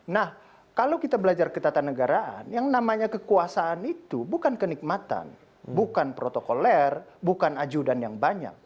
nah kalau kita belajar ketatanegaraan yang namanya kekuasaan itu bukan kenikmatan bukan protokoler bukan ajudan yang banyak